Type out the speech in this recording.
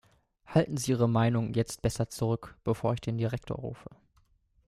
Halten Sie Ihre Meinung jetzt besser zurück, bevor ich den Direktor rufe!